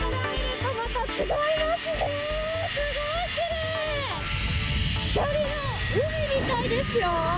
光の海みたいですよ。